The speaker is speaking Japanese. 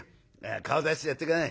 顔出してやって下さい」。